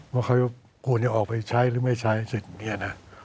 ว่าเขาจะกูลยาออกไปใช้หรือไม่ใช้สิบอย่างนี้นะ